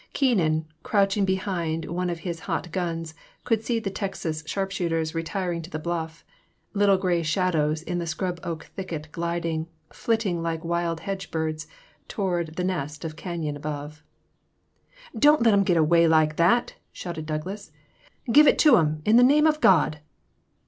Keenan, crouching behind one of his hot guns, could see the Texas sharpshooters retiring to the bluff, little grey shadows in the scrub oak thicket gliding, flitting like wild hedge birds toward the nest of cannon above. Don't let 'em get away like that !" shouted Douglas, " give it to them in the name of God!"